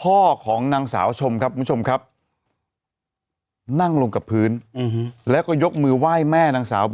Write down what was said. พ่อของนางสาวชมครับคุณผู้ชมครับนั่งลงกับพื้นแล้วก็ยกมือไหว้แม่นางสาวบี